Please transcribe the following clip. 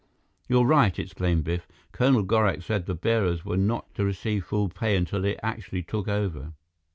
"You're right!" exclaimed Biff. "Colonel Gorak said the bearers were not to receive full pay until they actually took over."